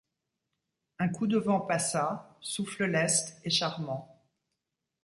Un coup de vent passa, souffle leste et charmant